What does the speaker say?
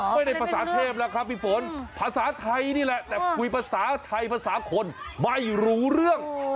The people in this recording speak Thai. ไม่ได้ภาษาเทพแล้วครับพี่ฝนภาษาไทยนี่แหละแต่คุยภาษาไทยภาษาคนไม่รู้เรื่อง